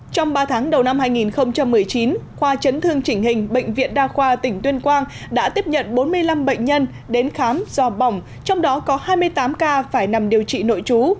trong ba tháng đầu năm hai nghìn một mươi chín khoa chấn thương chỉnh hình bệnh viện đa khoa tỉnh tuyên quang đã tiếp nhận bốn mươi năm bệnh nhân đến khám do bỏng trong đó có hai mươi tám ca phải nằm điều trị nội trú